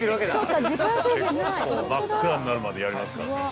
富澤：結構、真っ暗になるまでやりますから。